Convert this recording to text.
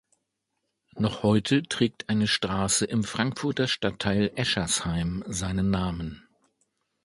Noch heute trägt eine Straße im Frankfurter Stadtteil Eschersheim seinen Namen.